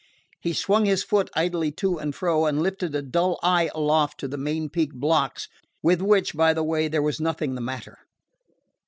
He swung his foot idly to and fro, and lifted a dull eye aloft to the main peak blocks, with which, by the way, there was nothing the matter.